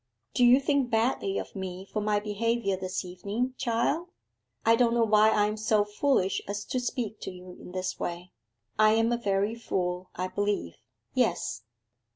'Do you think badly of me for my behaviour this evening, child? I don't know why I am so foolish as to speak to you in this way. I am a very fool, I believe. Yes.